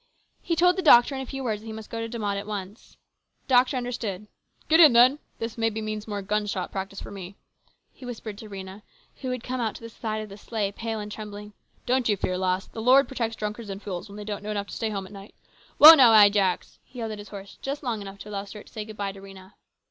He told the doctor in a few words that he must go to De Mott at once. The doctor understood. " Get in, then ! This means more gunshot wound practice for me, maybe." He whispered to Rhena, who had come out to the side of the sleigh, pale and trembling. "Don't you fear, lass. The Lord protects drunkards and fools when they don't know enough to stay at home at night. Whoa now, THE CONFERENCE. 263 Ajax !" he yelled at his horse, just long enough to allow Stuart to say good by to Rhena.